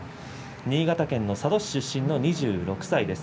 新潟県佐渡市出身の２６歳です。